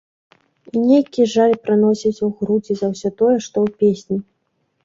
І нейкі жаль праносіўся ў грудзі за ўсё тое, што ў песні.